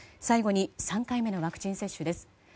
最後に３回目のワクチン接種です。